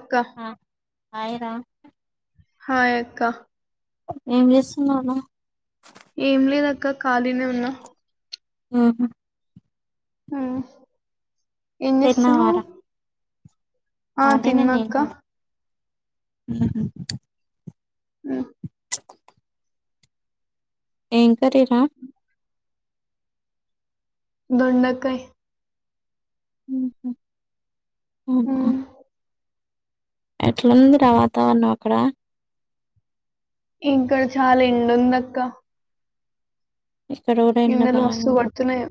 అక్క ఆ ఆయరా హాయ్ అక్క ఏం చేస్తున్నావు రా ఏం లేదు అక్క ఖాళీనే ఉన్నా హు హు ఆహా ఏంచేస్తునావు తిన్నావారా ఆ తిన్న అక్క హుహు హృ ఏం కర్రీ రా దొండకాయ్ హు హు అవునా ఉమ్ ఎట్లాందిరా వాతావరణం అక్కడ ఇంక చాలా ఎండుంది అక్క ఇక్కడ కూడా ఎండ ఎండలు మస్తు బాగుంది కొడుతున్నాయో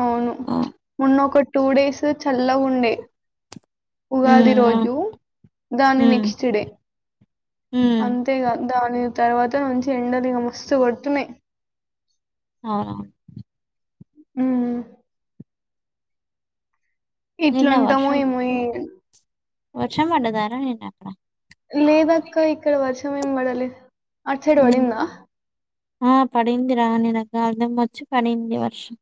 అవును ఆ ఉన్నఒకటి టూ డేస్ చల్లగుండే ఉగాది ఉమ్ ఆ రోజు దాని ఉమ్ నెక్స్ట్ డే ఉమ్ అంతేకాద దాని తర్వాత నుంచి ఎండలు ఇగ మస్తు కొడుతున్నాయి అవునవును హు నిన్న ఇట్లుంటామో వర్షం ఏమో ఏ వర్షం పండదరా అక్కడ లేదు అక్క ఇక్కడ వర్షం ఏం పడలే అట్టు సైడ్ ఉమ్ పడిందా ఆ పడింది రా నేను కాల్దమ్మ వచ్చి పడింది వర్షం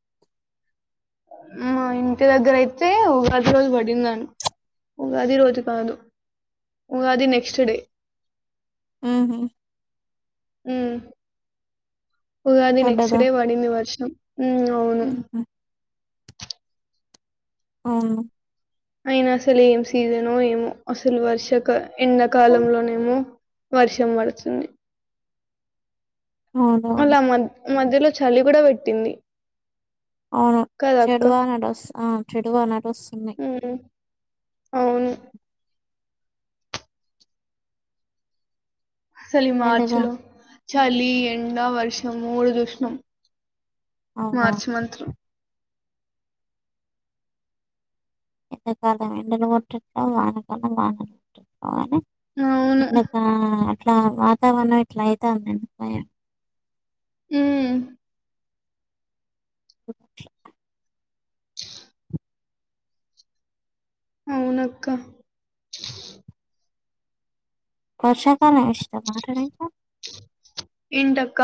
ఇంటి దగ్గర అయితే ఉగాది రోజు పడిందాను ఉగాది రోజు కాదు ఉగాది నెక్స్ట్ డే మ్మ్ మ్మ్ ఉగాది నెక్స్ట్ పడ్డదా డే వడింది వర్షం అవును ఉహు మ్మ్ అయిన అసలు ఏం సీజన్ ఏమో అసలు వర్షక ఎన్నకాలంలోనేమో వర్షం పడుతుంది అవునవును అలా మ మధ్యలో చలి కూడా పెట్టింది అవును చెడవా నడస్ ఆ చెడువా అ మ్మ్ అ ఎండగా సలిమాచ్చలో చలి ఎండా వర్షము మూడు చూసినాం అవునా మార్చ మంత్లో ఎంతకాలం ఎండలు కొట్టటిావు వానకాలం వానలుట్టటిావు కానీ అవును చిక ఇట్లా వాతావరణం ఇట్లా అయితందిందు భయం మ్మ్ ఓ అవునక్క వర్షాకాలం ఇస్తామా మీకు ఏంటక్క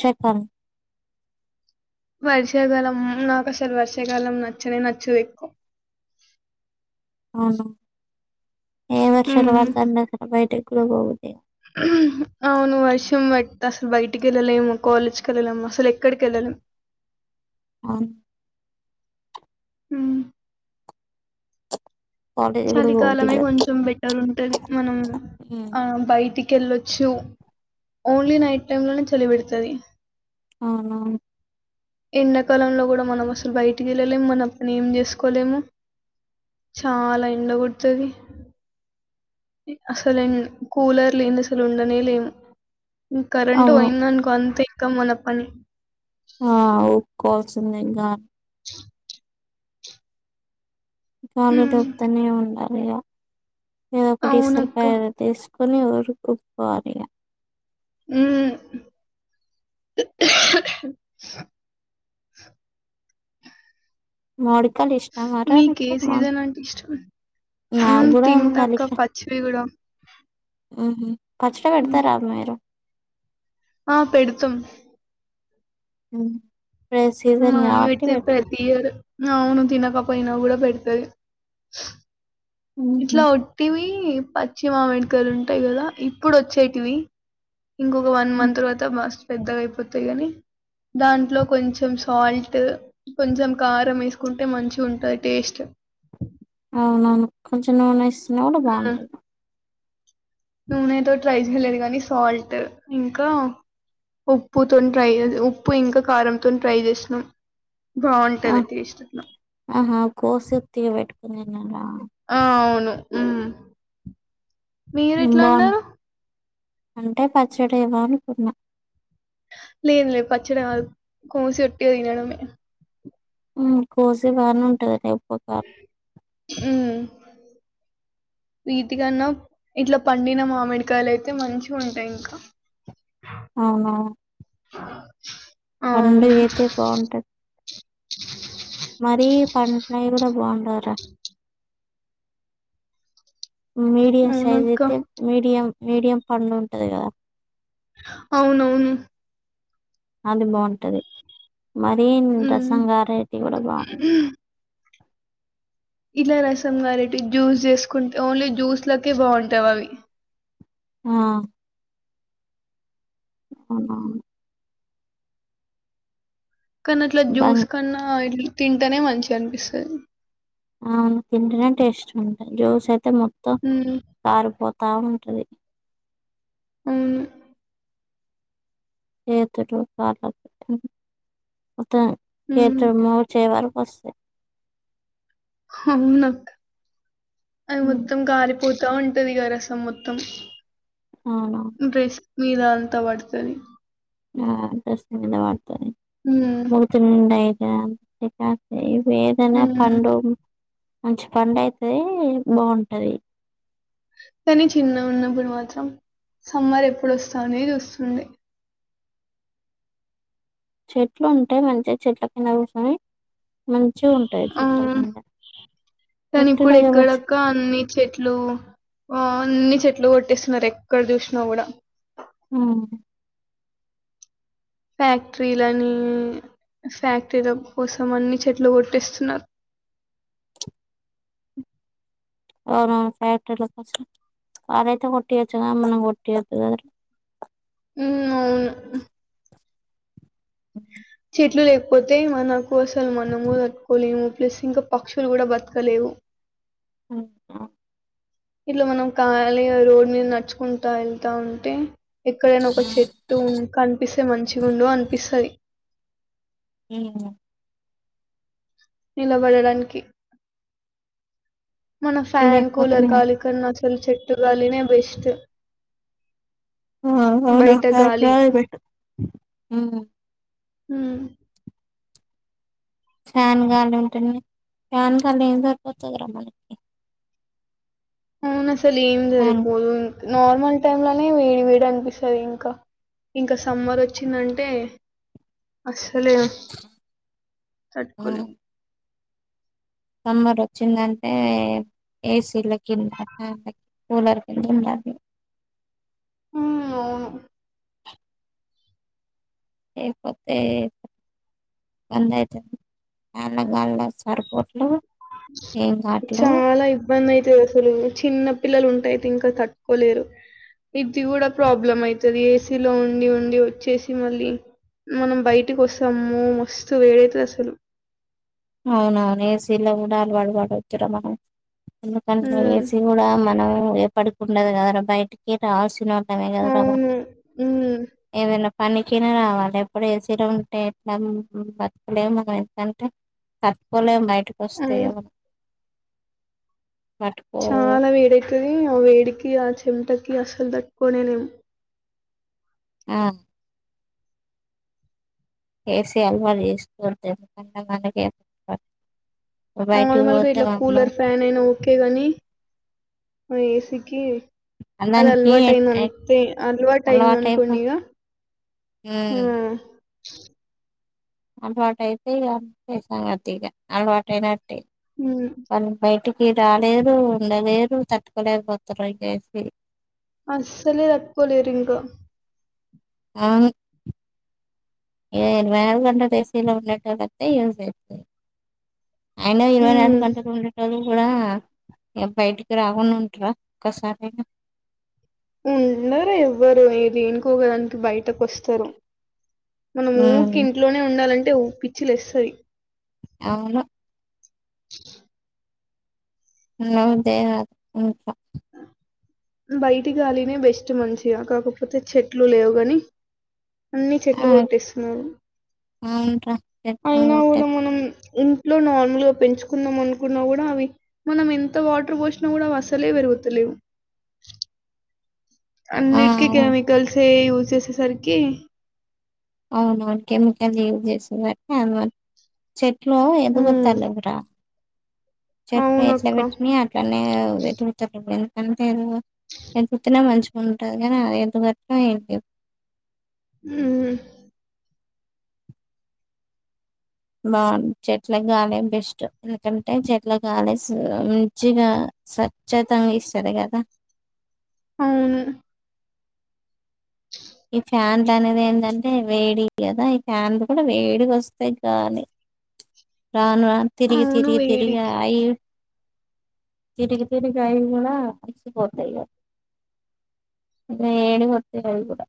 చెప్పాలి వర్షాకాలం నాకు అసలు వర్షాకాలం నచ్చనే నచ్చదు ఎక్కువ అ ఏ వర్షాలు మ్మ్. వాళ్త బయటకి కుబగుతే అవును వర్షం బట్టి అసలు బయటికి వెళ్ళలేము కాలేజ్కి వెళ్ళలేము అసలు ఎక్కడికి వెళ్ళలేము అవును హ్మ కాలేజ్ కూడా పోబుద్ది చలికాలమే కాదు కొంచెం బెటర్ ఉంది తది మనం ఉమ్ ఆ బయటికి ెళ్ళొచ్చు ఓన్లీ నైట్ టైమ్ లోనే చలి పెడుతది అవునవును ఎండాకాలంలో కూడా మనం అసలు బయటికి వెళ్ళలేము. మన పని ఏం చేసుకోలేము. చాలా ఎండ కొడతాది. అసలు కూలర్ లేని అసలు ఉండనే లేము. కరెంట్ అవును పోయింది. అనుకో అంతే కమనప్పని ఆ ఒప్పుకోవాల్సిందే ఇగా అ పాము ఇటు మ్మ్. వత్తానే ఉండాలి. ఇగా ఏదో ఒకటి ఇస్తారు. అవునక్క [unintelligible] కొని ఇవ్వరు కొనుక్కోవాలి ఇగా హ్మ్ మాడి మీకు ఏ సీజన్ అంటే నాకు ఇష్టం కూడా తింటా అక్క పచ్చివి కూడా ఆహు పచ్చడి పెడతారా మీరు ఆ పెడతాం హ్మ్ ఇప్పుడే మా సీజన్ మమ్మీ కాబట్టి పెడతది పెడతారు ప్రతి ఇయర్. అవును తినకపోయినా కూడా పెడతాది. హుహు. ఇట్లావంటివి పచ్చి మామిడికాయలు ఉంటాయి. కదా ఇప్పుడు వచ్చేటివి ఇంకొక వన్ హ్మ్. మంత్ తర్వాత మస్త్ పెద్దగా అయిపోతాయి. కాని దాంట్లో కొంచెం సాల్ట్, కొంచెం కారం వేసుకుంటే మంచి ఉంటది. టేస్ట్ అవునవును కొంచెం నూనె యేసి అది కూడా హ్మ్. బాగుంటాది. నూనెతో ట్రై చేయలేదు. కానీ సాల్ట్ ఇంకా ఉప్పుతో ట్రై ఉప్పు ఇంకా కారంతో ట్రై చేసిన్నాం. ఆ ఆహా కోసి ఉత్తిగా పెట్ నిన్నల్లా ఆ అవును మీరు హ్మ్. ఎట్లా బావుం ఉన్నారు. అంటే పచ్చడేమో అనుకున్నా లే లే పచ్చడి కాదు కోసి ఒటి తినడమే కోసే బాగానే ఉంటదిలే ఉప్పు, కారం. హ్మ్ వీటికన్నా ఇట్లా పండిన మామిడికాయలు అయితే మంచి ఉంటాయి. ఇంకా అవునవును. పండు అవును ఆయితే బావుంటది [inaudible] మరీ పండినయి కూడా బాగుం డవ్ రా మీడియం సైజ్ అవునక్క అయితే మీడియం మీడియం పండు ఉంటది కదా అవునవును అది బాగుంటది మరీ మ్మ్ రసం గారేటివి కూడ బాగుండవ్ ఇలా రసం కారేటివి జ్యూస్ చేసుకుంటే ఓన్లీ జ్యూస్ లకే బాగుంటవి అవి ఆ అవునవును కాని అట్ల బం జ్యూస్ కన్నా ఇట్ల తింటనే మంచిగ అనిపిస్తది అవును తింటనే టేస్ట్ గా ఉంటది జ్యూసై తే మొత్తం మ్మ్ కారిపో తా వుంటది అవును ఏతురు కాల [unintelligible] మొత్తం మ్మ్ చేతులు మోచేయి వరక్ వస్తయి అవునక్క అది ఉమ్, మొత్తం కారి పోతా ఉంటది ఇగ రసం మొత్తం అవునా డ్రెస్ మీద అంత పడుతది ఆ డ్రెస్ మీద పడ్ తది హ్మ్. మూతి నిండ అయి ఆ చికాకే వేదన హ్మ్. పండు మంచి పండు అయితే బాగుంటది కాని చిన్నగున్నప్పుడు మాత్రం సమ్మర్ ఎప్పుడొస్తది అనే చూస్తుండే చెట్లు ఉంటే మంచిగ చెట్ల కింద కూర్చొని మంచిగా ఉంటది ఆ చెట్ల కింద కాని చెట్లు ఇప్పుడు దగ్గర కూర్చొని, ఎక్కడక్క అన్ని చెట్లు ఆ అన్ని చెట్లు కొట్టేస్తున్నారు ఎక్కడ చూసిన కూడ ఆ ఫ్యాక్టరీలని ఫ్యాక్టరీల కోసం అన్ని చెట్లు కొట్టేస్తున్నారు అవునవును ఫ్యాక్టరీల కోసం వాడైతే కొట్టియచ్చు కాని మనం కొట్టియద్దు కదరా హ్మ్ అవును చెట్లు లేకపోతే మనం కోసల్ మనము ఎక్కువలేము ప్లెస్ ఇంక పక్షులు కూడా బతకలేవు ఇంకా ఇట్ల మనం ఖాళీగా రోడ్ మీద నడుచ్చుకుంటా వెళ్తా ఉంటే ఎక్కడైనా ఒక చెట్టు కనిపిస్ మంచిగుండు అనిపిస్తది ఇ ఆ నిలబడడానికి మన ఫ్యాన్ కూలర్ లేకపోతేనేమో గాలి కన్నా ఫుల్ చెట్టుగాలినే బెస్టూ వునా నాకు బయట గాలే బెస్ట్ వునా హ్మ్ ఫ్యాన్ గాలి ఉంటానే ఫ్యాన్ గాలి ఏం సరిపోతదిర మనకి అవును అసలేం ఫ్యాన్ సరిపోదు నార్మల్ టైమ్ లోనే వేడి వేడి అనిపిస్తుంది ఇంకా ఇంకా సమ్మర్ వచ్చిందంటే అస్ ఆన తట్కోలేం సమ్మర్ వచ్చిందంటే ఏసీలో కింద అట్లానే ఉన్నా యి కూలర్ కింద ఉండాలి హ్మ్ అవును లేకపోతే [inaudible] సరిపోట్ల చాలా ఇబ్బంది ఏసీలు అసలు చిన్న పిల్లలు ఉంటె అయితే ఇంక తట్టుకోలేరు బ్రితింగ్ కూడా ప్రాబ్లం అయితది ఏసీలో ఉండి ఉండి వచ్చేసి మళ్ళీ మనం బయటికి వస్తాము మస్తూ వేడైతది అసలు అవునవును ఏసీలో కూడా అలవాటు పడద్దుర మనం ఎందుకంటే ఉమ్ ఏసీ గుడా మనం పడుకుండ కదరా బయట కే రావచ్చున [inaudible] అవును ఉమ్ పనికి అయినా రావాలి ఎప్పుడు ఏసీలో ఉంటే ఎట్లా బతకలేం మనం ఎంతంటే తట్టుకోలేం [inaudible] ఆ వస్తే ఏమ్ అవుతాది చాలా వేడి అయితాది ఆ వేడికి చెమటకి అసలు తట్టుకోలేనేమో ఆ ఏసీ అలవాటు చేసుకొవద్దండి అయినా ఎందుక మనక నార్మల్గా ఇట్లా కూలర్ ఫ్యాన్ అయినా ఓకే గాని ఏసీకి అద దానికి అల్వా టైన్ అంతే అల్వా టైన్ అలవాటు అన్కోం అయిపోతుంది ఈగ హ అలవాటతేస అతగా అలవాటనా ఉమ్ పనీ బటి రాలేరు ఉండలేరు తట్టుకోలేకపోతారు చేసి అసలే అక్పోవలిరకా అ ఏ వేరుగంట దేేశీల ఉన్నట్టతే యూజతు అయిన ఇరవై ఉమ్ నాలుగు గంటలు ఉండటదు కూడా బయటికి రాకుం ఉంటరా ఒసారియినా ఉన్నారా ఎవ్వరు ఏ దేనుకోగడాానికి బయటకు వస్తారు మనం ఊరికి ఉమ్, ఇంట్లోనే ఉండాలంటే వు పిచ్చిలేస్తాది అవునా అవుదే ఉకాా బయటి గాలినె బెస్ట్ మంచిగా కాకపోతే చెట్లు లేవు గాని అన్ని చెట్లు కొట్టేస్తున్నారు అవును అయినా ే కూడా మనం ఇంట్లో నార్మల్ గా పెంచుకుందాం అనుకున్నా కూడా అవి మనం ఎంత వాటర్ పోసినా కూడా అసలే పెరుగుతలేవు ఆ, న్నిట్ అవును కెమికల్స్ ూజ సస సార్కి అవున అవును కెమికల్స్ యూజ్ చేస అ చెట్ ఎ ఉమ్ ఎందుగుతాలవరా చెట్ ఎట్లా అవునక్క పెట్ని అట్లనే వెతుతారు అంటే ఎ ఎదుగుతునే మంచిగా ఉంటది కానీ అది ఎదుగట్టడం ఏంటి ఉ బాగుంది చెట్లకు గాలి బెస్ట్ ఎందుకంటే చెట్ల గాలి మంచిగా స్వచ్చతంగా ఇస్తుంది కదా అవు ఈ ఫ్యాన్లు అనేది ఏంటంటే వేడి కదా ఈ ఫ్యాన్లు కూడా వేడిక వస్తాయి కానీ రాను తిరిగి అవును తిరిగి తిరిగి వేడికి అయి తిరిగి తిరిగాయి కూడా అచ్చపోతాయి కా అ ఏడిపోత్తకాయి కూడా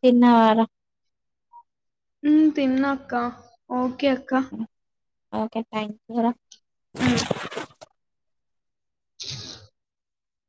చిన్న వర తిన్నాక ఓకే ఓకే అక్క ఓకే థ్యాంక్ ూ మ్